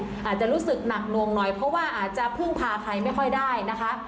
อาจจะรู้สึกหนักหน่วงหน่อยเพราะว่าอาจจะพึ่งพาใครไม่ค่อยได้นะคะ